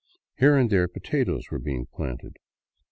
Here and there potatoes were being planted.